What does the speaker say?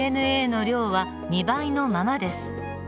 ＤＮＡの量は２倍のままです。